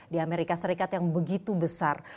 di amerika serikat yang begitu besar